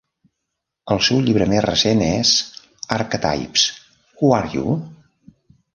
El seu llibre més recent és "Archetypes: Who Are You?"